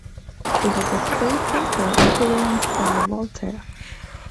He was a free-thinker influenced by Voltaire.